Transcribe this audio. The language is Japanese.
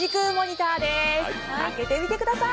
開けてみてください！